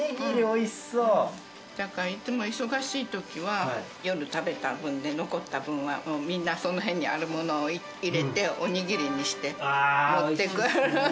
いつも忙しいときは夜食べた分で残った分はみんなそのへんにあるものを入れておにぎりにして持ってく。